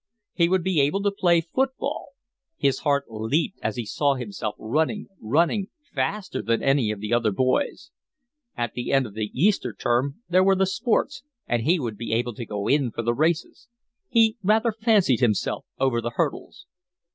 He would be able to play football. His heart leaped as he saw himself running, running, faster than any of the other boys. At the end of the Easter term there were the sports, and he would be able to go in for the races; he rather fancied himself over the hurdles.